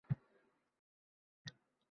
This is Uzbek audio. Deylik, Eshmat katta bir idorada amaldor